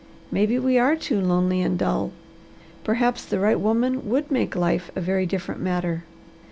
Maybe we are too lonely and dull. Perhaps the right woman would make life a very different matter.